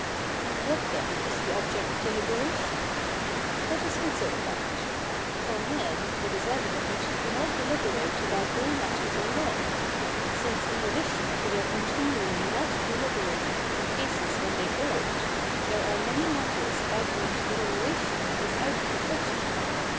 And what the?i is the object of deliberation ? Let us consider that : for men, it is evident, do ?iot deliberate about all matters alike ; since in addition to their coftti?iually not delib3rati?ig i?i cases whe?i they ought, there are ma?iy niatters about ivhich deliberatio7i is out of the question.